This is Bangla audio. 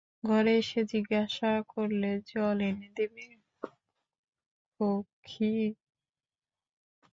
ঘরে এসে জিজ্ঞাসা করলে, জল এনে দেব খোঁখী?